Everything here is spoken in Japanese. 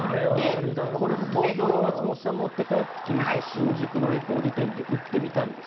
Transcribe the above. これも東京に松本さん持って帰ってきまして新宿のレコード店で売ってみたんです